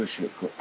あ。